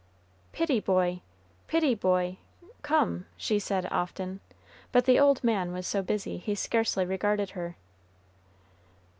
"Pitty boy, pitty boy, come!" she said often; but the old man was so busy, he scarcely regarded her.